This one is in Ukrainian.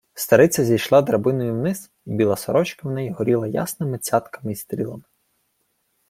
Стариця зійшла драбиною вниз, і біла сорочка в неї горіла ясними цятками й стрілами.